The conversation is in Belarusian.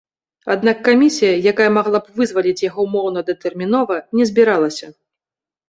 Аднак камісія, якая магла б вызваліць яго ўмоўна-датэрмінова, не збіралася.